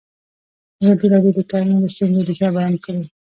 ازادي راډیو د کرهنه د ستونزو رېښه بیان کړې.